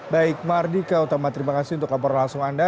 baik mardika utama terima kasih untuk laporan langsung anda